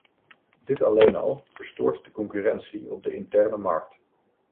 Dit alleen al verstoort de concurrentie op de interne markt.